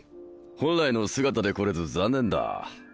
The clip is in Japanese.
本来の姿でこれず残念だ。